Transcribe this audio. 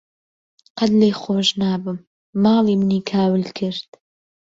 قەت لێی خۆش نابم، ماڵی منی کاول کرد.